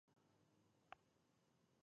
ازادي راډیو د سوداګري حالت په ډاګه کړی.